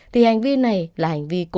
thì hành vi này là hành vi cổ